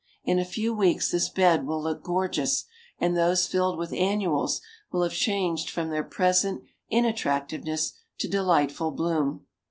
In a few weeks this bed will look gorgeous, and those filled with annuals will have changed from their present inattractiveness to delightful bloom.